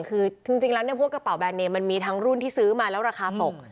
คือจริงแล้วพวกกระเป๋าแบรนเนมมันมีทั้งรุ่นที่ซื้อมาแล้วราคาตก